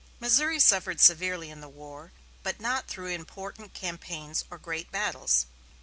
Missouri suffered severely in the war, but not through important campaigns or great battles.